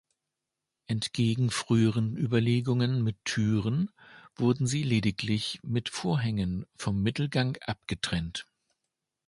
Entgegen früheren Überlegungen mit Türen wurden sie lediglich mit Vorhängen vom Mittelgang abgetrennt.